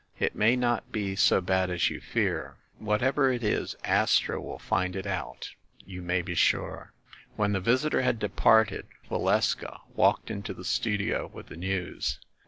"It may not be so bad as you fear. Whatever it is, Astro will find it out, you may be sure." When the visitor had departed, Valeska walked into the studio with the news.